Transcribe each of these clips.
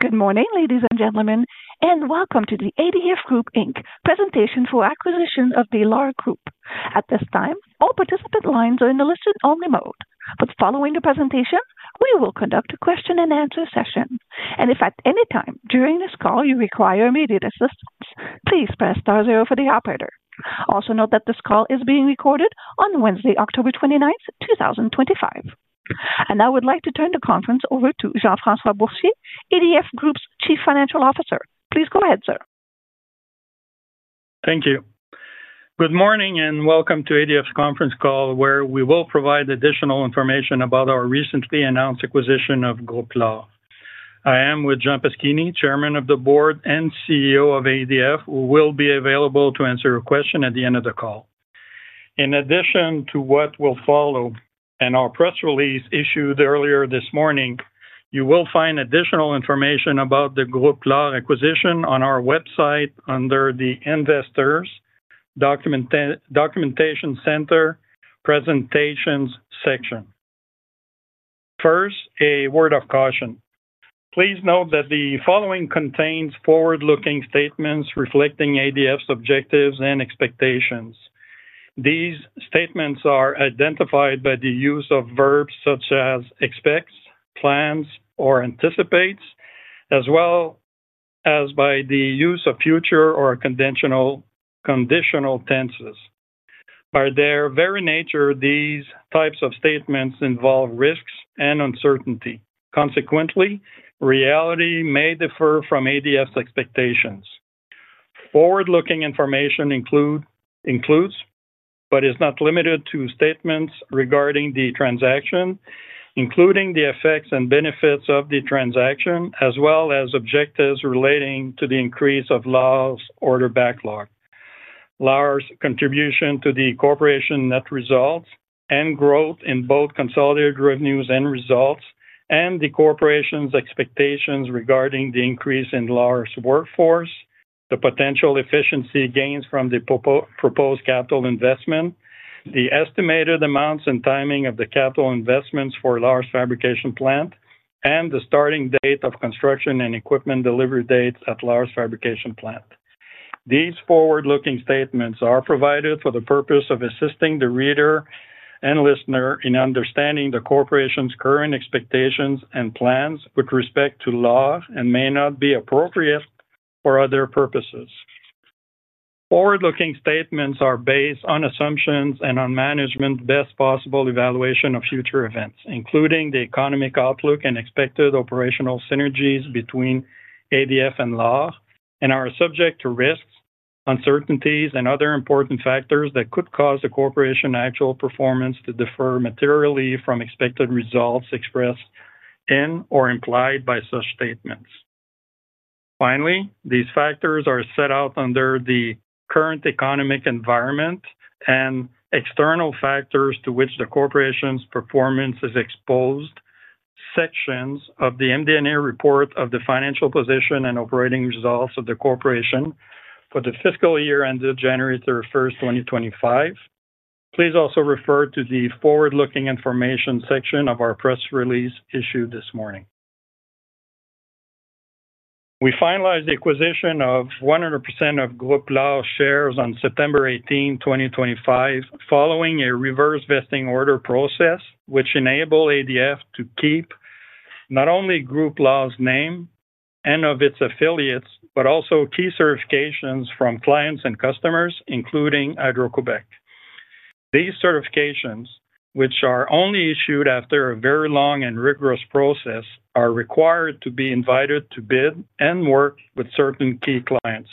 Good morning, ladies and gentlemen, and welcome to the ADF Group Inc presentation for acquisition of LAR Groupe. At this time, all participant lines are in a listen-only mode. Following the presentation, we will conduct a question-and-answer session. If at any time during this call you require immediate assistance, please press star zero for the operator. Also note that this call is being recorded on Wednesday, October 29, 2025. Now I would like to turn the conference over to Jean-François Boursier, ADF Group's Chief Financial Officer. Please go ahead, sir. Thank you. Good morning and welcome to ADF's conference call where we will provide additional information about our recently announced acquisition of Groupe LAR. I am with Jean Paschini, Chairman of the Board and CEO of ADF, who will be available to answer your question at the end of the call. In addition to what will follow and our press release issued earlier this morning, you will find additional information about the Groupe LAR acquisition on our website under the Investors' Documentation Center Presentations section. First, a word of caution. Please note that the following contains forward-looking statements reflecting ADF's objectives and expectations. These statements are identified by the use of verbs such as expects, plans, or anticipates, as well as by the use of future or conditional tenses. By their very nature, these types of statements involve risks and uncertainty. Consequently, reality may differ from ADF's expectations. Forward-looking information includes, but is not limited to, statements regarding the transaction, including the effects and benefits of the transaction, as well as objectives relating to the increase of LAR's order backlog, LAR's contribution to the corporation net results, and growth in both consolidated revenues and results, and the corporation's expectations regarding the increase in LAR's workforce, the potential efficiency gains from the proposed capital investment, the estimated amounts and timing of the capital investments for LAR's fabrication plant, and the starting date of construction and equipment delivery dates at LAR's fabrication plant. These forward-looking statements are provided for the purpose of assisting the reader and listener in understanding the corporation's current expectations and plans with respect to LAR and may not be appropriate for other purposes. Forward-looking statements are based on assumptions and on management's best possible evaluation of future events, including the economic outlook and expected operational synergies between ADF and LAR, and are subject to risks, uncertainties, and other important factors that could cause the corporation's actual performance to differ materially from expected results expressed in or implied by such statements. Finally, these factors are set out under the current economic environment and external factors to which the corporation's performance is exposed. Sections of the MD&A report of the financial position and operating results of the corporation for the fiscal year ended January 31, 2025. Please also refer to the forward-looking information section of our press release issued this morning. We finalized the acquisition of 100% of Groupe LAR's shares on September 18, 2025, following a reverse vesting order process which enabled ADF. to keep not only Groupe LAR's name and of its affiliates, but also key client certifications from clients and customers, including Hydro-Québec. These certifications, which are only issued after a very long and rigorous process, are required to be invited to bid and work with certain key clients.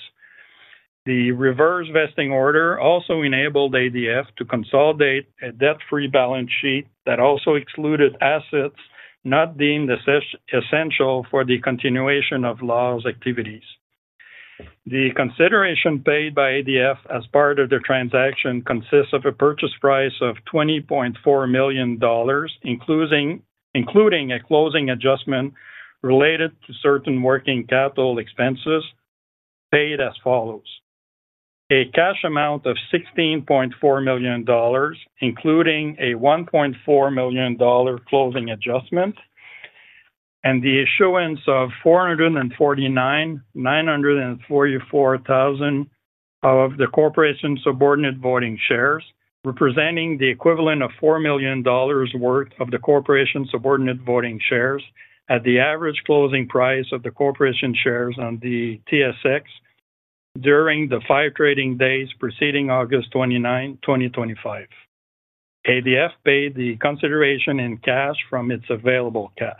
The reverse vesting order also enabled ADF to consolidate a debt-free balance sheet that also excluded assets not deemed essential for the continuation of LAR's activities. The consideration paid by ADF. as part of the transaction consists of a purchase price of $20.4 million, including a closing adjustment related to certain working capital expenses paid as follows: a cash amount of $16.4 million, including a $1.4 million closing adjustment, and the issuance of 449,944,000 of the corporation's subordinate voting shares, representing the equivalent of $4 million worth of the corporation's subordinate voting shares at the average closing price of the corporation's shares on the TSX during the five trading days preceding August 29, 2025. ADF paid the consideration in cash from its available cash.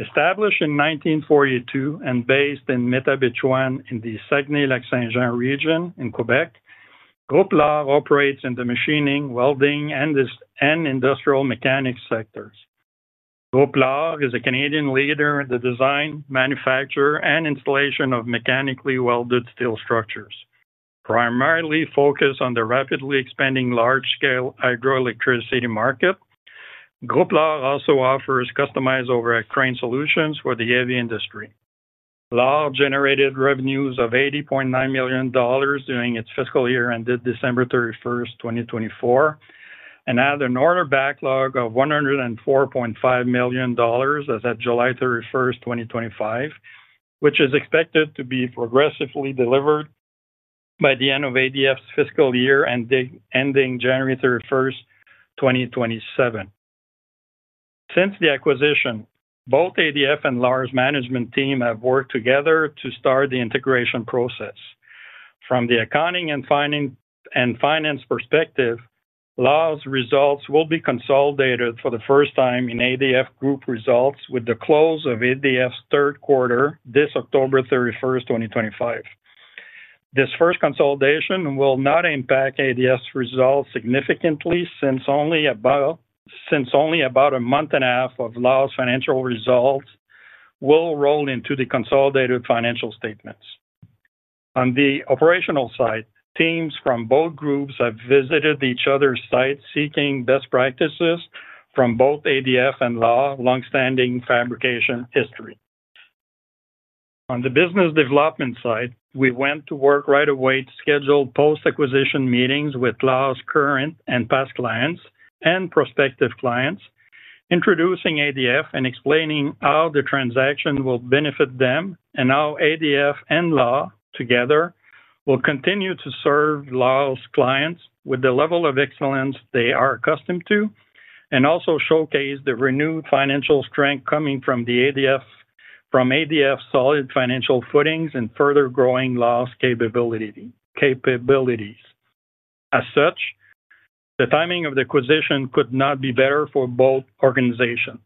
Established in 1942 and based in Métabetchouan in the Saguenay-Lac-Saint-Jean region in Québec, Groupe LAR operates in the machining, welding, and industrial mechanics sectors. Groupe LAR is a Canadian leader in the design, manufacture, and installation of mechanically welded steel structures. Primarily focused on the rapidly expanding large-scale hydroelectric sector, Groupe LAR also offers customized overhead crane solutions for the heavy industry. LAR generated revenues of $80.9 million during its fiscal year ended December 31, 2024, and had an order backlog of $104.5 million as of July 31, 2025, which is expected to be progressively delivered by the end of ADF's fiscal year ending January 31, 2027. Since the acquisition, both ADF and LAR's management team have worked together to start the integration process. From the accounting and finance perspective, LAR's results will be consolidated for the first time in ADF results with the close of ADF's third quarter this October 31, 2025. This first consolidation will not impact ADF's results significantly since only about a month and a half of LAR's financial results will roll into the consolidated financial statements. On the operational side, teams from both groups have visited each other's sites, seeking best practices from both ADF and LAR's longstanding fabrication history. On the business development side, we went to work right away to schedule post-acquisition meetings with LAR's current and past clients and prospective clients, introducing ADF and explaining how the transaction will benefit them and how ADF and LAR together will continue to serve LAR's clients with the level of excellence they are accustomed to and also showcase the renewed financial strength coming from ADF's solid financial footings and further growing LAR's capabilities. As such, the timing of the acquisition could not be better for both organizations.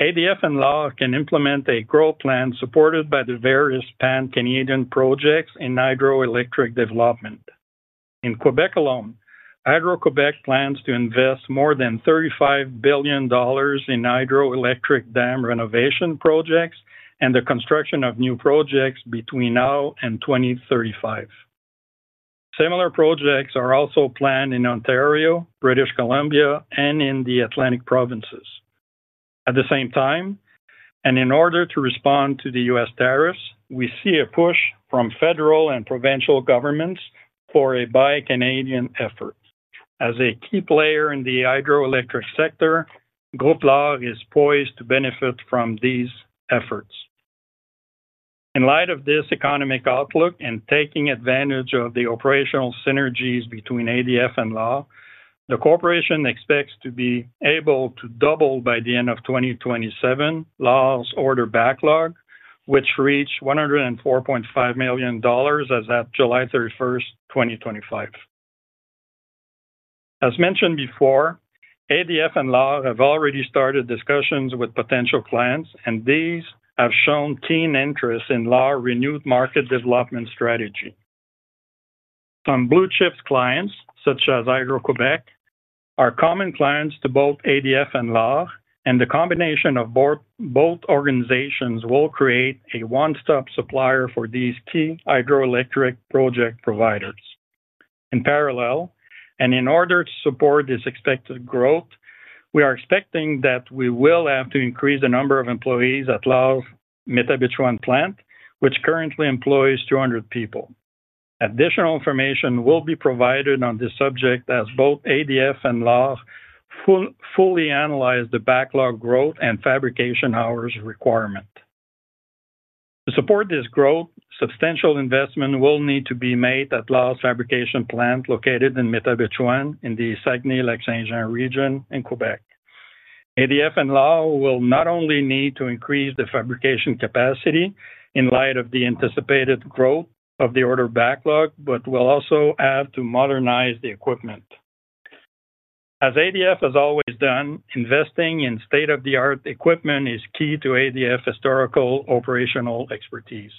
ADF and LAR can implement a growth plan supported by the various pan-Canadian projects in hydroelectric development. In Québec alone, Hydro-Québec plans to invest more than $35 billion in hydroelectric dam renovation projects and the construction of new projects between now and 2035. Similar projects are also planned in Ontario, British Columbia, and in the Atlantic provinces. At the same time, and in order to respond to the U.S. tariffs, we see a push from federal and provincial governments for a bi-Canadian effort. As a key player in the hydroelectric sector, Groupe LAR is poised to benefit from these efforts. In light of this economic outlook and taking advantage of the operational synergies between ADF. and LAR, the corporation expects to be able to double by the end of 2027 LAR's order backlog, which reached $104.5 million as of July 31, 2025. As mentioned before, ADF and LAR have already started discussions with potential clients, and these have shown keen interest in LAR's renewed market development strategy. Blue chip clients, such as Hydro-Québec, are common clients to both ADF and LAR, and the combination of both organizations will create a one-stop supplier for these key hydroelectric project providers. In parallel, and in order to support this expected growth, we are expecting that we will have to increase the number of employees at LAR's Métabetchouan plant, which currently employs 200 people. Additional information will be provided on this subject as both ADF and LAR fully analyze the backlog growth and fabrication hours requirement. To support this growth, substantial investment will need to be made at LAR's fabrication plant located in Métabetchouan in the Saguenay-Lac-Saint-Jean region in Québec. ADF and LAR will not only need to increase the fabrication capacity in light of the anticipated growth of the order backlog, but will also have to modernize the equipment. As ADF has always done, investing in state-of-the-art equipment is key to ADF's historical operational expertise.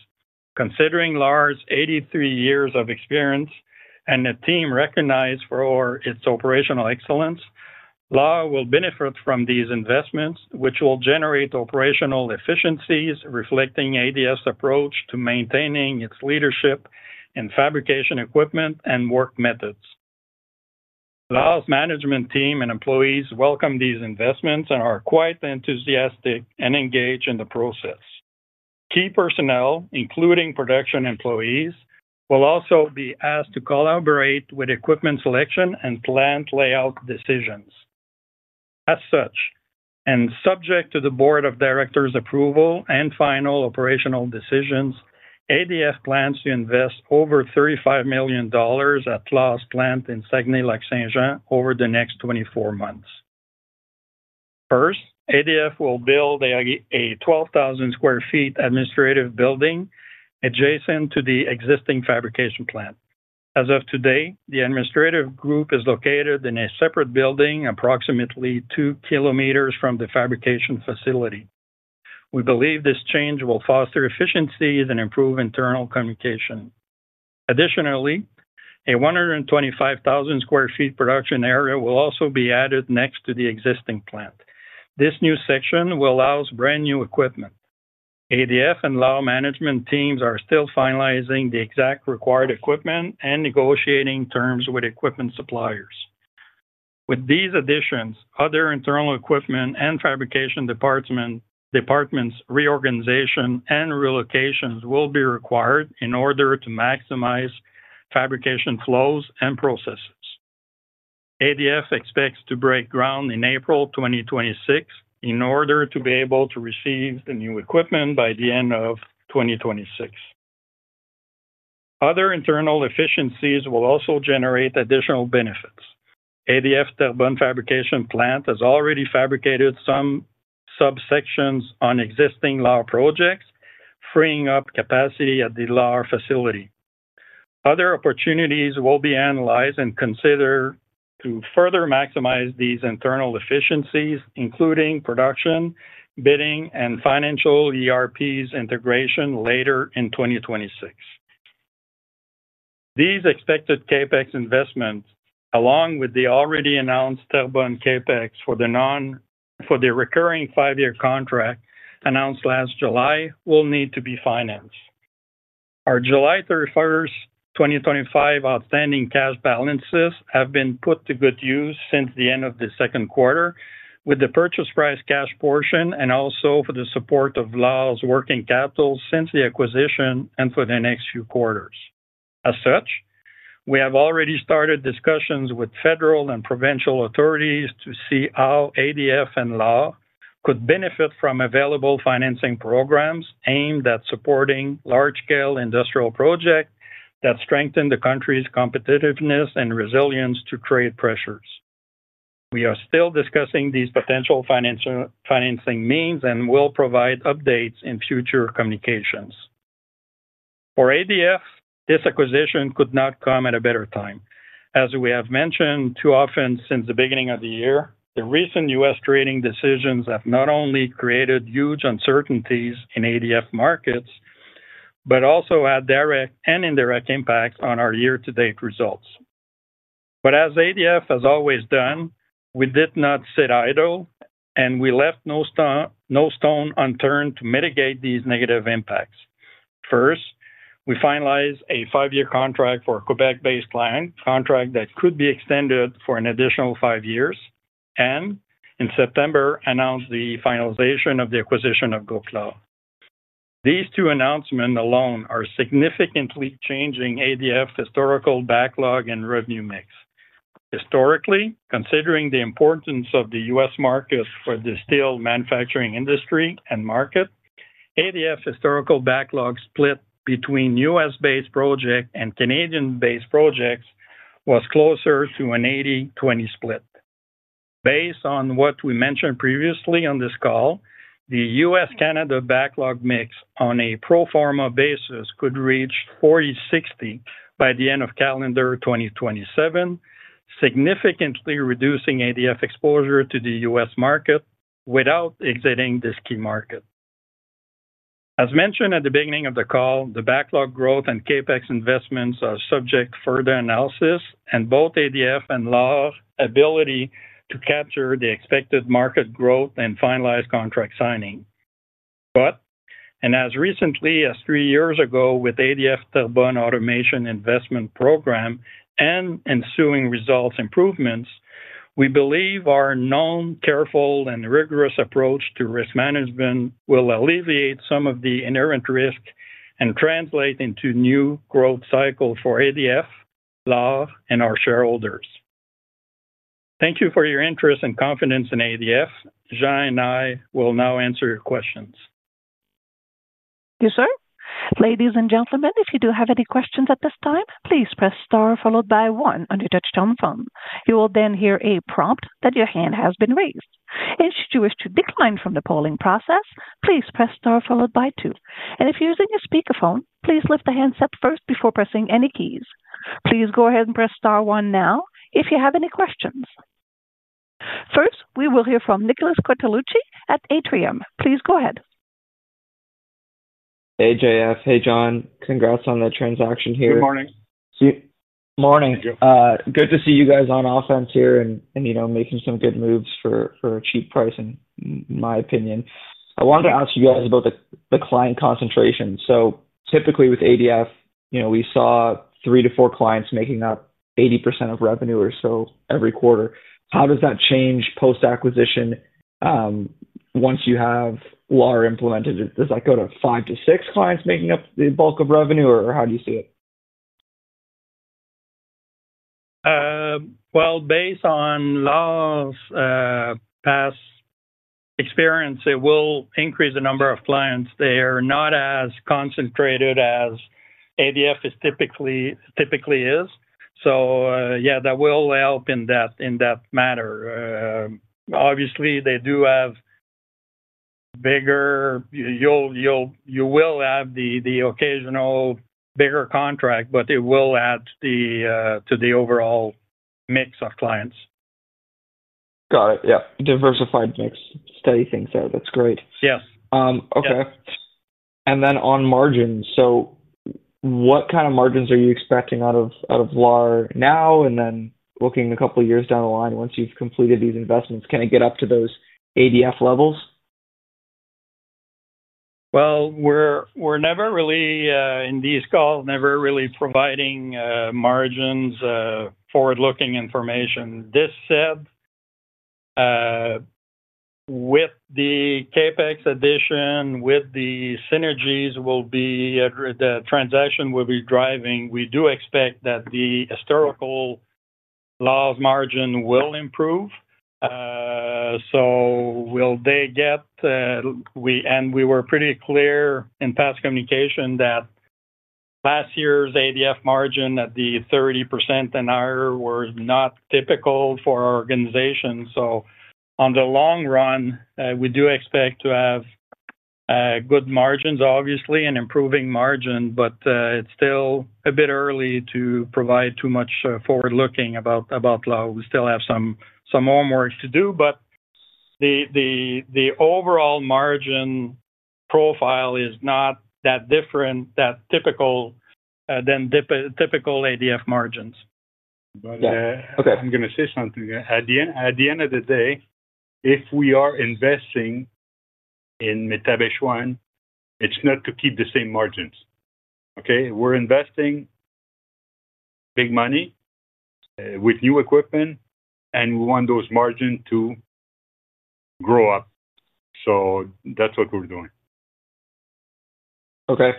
Considering LAR's 83 years of experience and a team recognized for its operational excellence, LAR will benefit from these investments, which will generate operational efficiencies reflecting ADF's approach to maintaining its leadership in fabrication equipment and work methods. LAR's management team and employees welcome these investments and are quite enthusiastic and engaged in the process. Key personnel, including production employees, will also be asked to collaborate with equipment selection and plant layout decisions. As such, and subject to the Board of Directors' approval and final operational decisions, ADF plans to invest over $35 million at LAR's plant in Saguenay-Lac-Saint-Jean over the next 24 months. First, ADF will build a 12,000 square feet administrative building adjacent to the existing fabrication plant. As of today, the administrative group is located in a separate building approximately two kilometers from the fabrication facility. We believe this change will foster efficiencies and improve internal communication. Additionally, a 125,000 square feet production area will also be added next to the existing plant. This new section will house brand new equipment. ADF and LAR management teams are still finalizing the exact required equipment and negotiating terms with equipment suppliers. With these additions, other internal equipment and fabrication departments, reorganization, and relocations will be required in order to maximize fabrication flows and processes. ADF expects to break ground in April 2026 in order to be able to receive the new equipment by the end of 2026. Other internal efficiencies will also generate additional benefits. ADF's Terrebonne fabrication plant has already fabricated some subsections on existing LAR projects, freeing up capacity at the LAR facility. Other opportunities will be analyzed and considered to further maximize these internal efficiencies, including production, bidding, and financial ERPs integration later in 2026. These expected CapEx investments, along with the already announced Terrebonne CapEx for the non-recurring five-year contract announced last July, will need to be financed. Our July 31, 2025 outstanding cash balances have been put to good use since the end of the second quarter, with the purchase price cash portion and also for the support of LAR's working capital since the acquisition and for the next few quarters. As such, we have already started discussions with federal and provincial authorities to see how ADF and LAR could benefit from available financing programs aimed at supporting large-scale industrial projects that strengthen the country's competitiveness and resilience to trade pressures. We are still discussing these potential financing means and will provide updates in future communications. For ADF, this acquisition could not come at a better time. As we have mentioned too often since the beginning of the year, the recent U.S. trading decisions have not only created huge uncertainties in ADF markets, but also had direct and indirect impacts on our year-to-date results. As ADF has always done, we did not sit idle and we left no stone unturned to mitigate these negative impacts. First, we finalized a five-year contract for a Québec-based client, a contract that could be extended for an additional five years, and in September announced the finalization of the acquisition of Groupe LAR. These two announcements alone are significantly changing ADF's historical backlog and revenue mix. Historically, considering the importance of the U.S. market for the steel manufacturing industry and market, ADF's historical backlog split between U.S.-based projects and Canadian-based projects was closer to an 80/20 split. Based on what we mentioned previously on this call, the U.S.-Canada backlog mix on a pro forma basis could reach 40/60 by the end of calendar 2027, significantly reducing ADF's exposure to the U.S. market without exiting this key market. As mentioned at the beginning of the call, the backlog growth and capital expenditures investments are subject to further analysis and both ADF. and LAR's ability to capture the expected market growth and finalize contract signing. As recently as three years ago with ADF's Terrebonne Automation Investment Program and ensuing results improvements, we believe our known careful and rigorous approach to risk management will alleviate some of the inherent risks and translate into new growth cycles for ADF, LAR, and our shareholders. Thank you for your interest and confidence in ADF. Jean and I will now answer your questions. Thank you, sir. Ladies and gentlemen, if you do have any questions at this time, please press star followed by one on your touchtone phone. You will then hear a prompt that your hand has been raised. If you wish to decline from the polling process, please press star followed by two. If you're using your speakerphone, please lift the handset first before pressing any keys. Please go ahead and press star one now if you have any questions. First, we will hear from Nicholas Cortellucci at Atrium. Please go ahead. Hey, Jean-François. Hey, Jean. Congrats on that transaction here. Good morning. Morning. Good to see you guys on offense here, and, you know, making some good moves for a cheap price in my opinion. I wanted to ask you guys about the client concentration. Typically with ADF, you know, we saw three to four clients making up 80% of revenue or so every quarter. How does that change post-acquisition once you have LAR implemented? Does that go to five to six clients making up the bulk of revenue, or how do you see it? Based on LAR's past experience, it will increase the number of clients. They are not as concentrated as ADF typically is. That will help in that matter. Obviously, they do have bigger, you will have the occasional bigger contract, but it will add to the overall mix of clients. Got it. Yeah, diversified mix. Steady things, though. That's great. Yes. Okay. On margins, what kind of margins are you expecting out of LAR now, and looking a couple of years down the line once you've completed these investments? Can it get up to those ADF levels? We're never really, in these calls, never really providing margins, forward-looking information. This said, with the CapEx addition, with the synergies the transaction will be driving, we do expect that the historical LAR's margin will improve. Will they get? We were pretty clear in past communication that last year's ADF margin at the 30% and higher was not typical for our organization. On the long run, we do expect to have good margins, obviously, and improving margins, but it's still a bit early to provide too much forward-looking about LAR. We still have some homework to do, but the overall margin profile is not that different, that typical than typical ADF margins. Got it. Okay. I'm going to say something. At the end of the day, if we are investing in Métabetchouan, it's not to keep the same margins. We're investing big money with new equipment, and we want those margins to grow up. That's what we're doing. Perfect.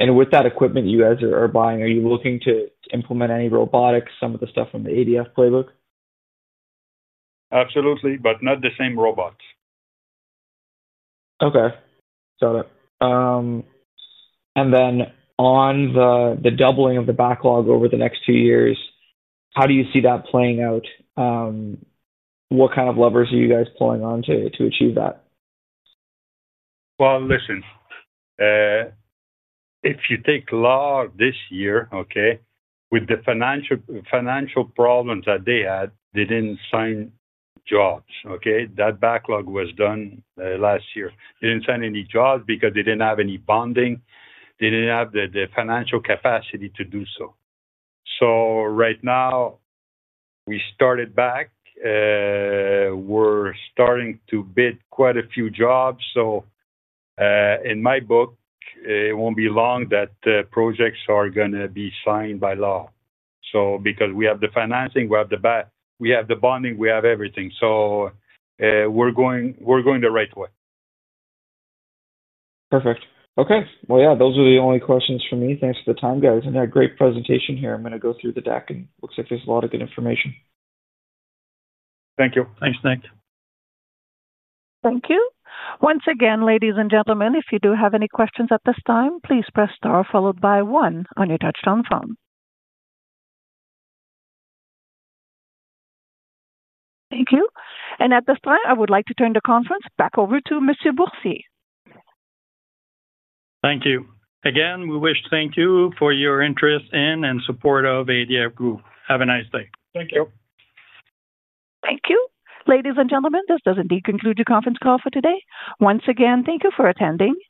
With that equipment you guys are buying, are you looking to implement any robotics, some of the stuff from the ADF playbook? Absolutely, not the same robots. Got it. On the doubling of the backlog over the next two years, how do you see that playing out? What kind of levers are you guys pulling on to achieve that? If you take LAR this year, with the financial problems that they had, they didn't sign jobs. That backlog was done last year. They didn't sign any jobs because they didn't have any bonding. They didn't have the financial capacity to do so. Right now, we started back. We're starting to bid quite a few jobs. In my book, it won't be long that projects are going to be signed by LAR because we have the financing, we have the back, we have the bonding, we have everything. We're going the right way. Perfect. Okay, those are the only questions for me. Thanks for the time, guys. Great presentation here. I'm going to go through the deck, and it looks like there's a lot of good information. Thank you. Thanks, Nick. Thank you. Once again, ladies and gentlemen, if you do have any questions at this time, please press star followed by one on your touchtone phone. Thank you. At this time, I would like to turn the conference back over to Mr. Boursier. Thank you. Again, we wish to thank you for your interest in and support of ADF Group. Have a nice day. Thank you. Thank you. Ladies and gentlemen, this does indeed conclude the conference call for today. Once again, thank you for attending.